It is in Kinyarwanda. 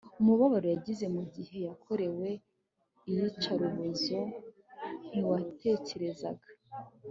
umubabaro yagize mugihe yakorewe iyicarubozo ntiwatekerezaga